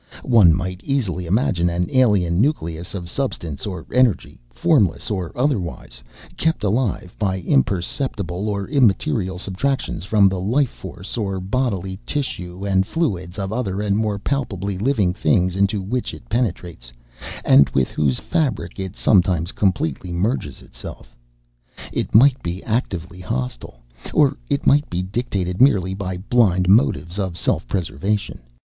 One might easily imagine an alien nucleus of substance or energy, formless or otherwise, kept alive by imperceptible or immaterial subtractions from the life force or bodily tissue and fluids of other and more palpably living things into which it penetrates and with whose fabric it sometimes completely merges itself. It might be actively hostile, or it might be dictated merely by blind motives of self preservation.